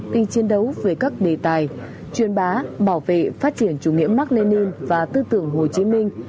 kinh chiến đấu về các đề tài truyền bá bảo vệ phát triển chủ nghĩa mark lenin và tư tưởng hồ chí minh